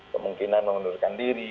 kemungkinan mengundurkan diri